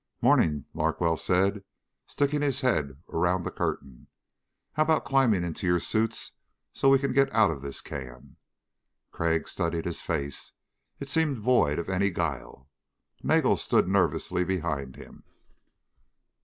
"Morning," Larkwell said, sticking his head around the curtain. "How about climbing into your suits so we can get out of this can?" Crag studied his face. It seemed void of any guile. Nagel stood nervously behind him.